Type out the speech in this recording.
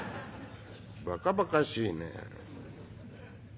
「ばかばかしいね」。